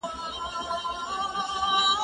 زه کتابتون ته تللی دی!.